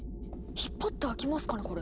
引っ張って開きますかねこれ。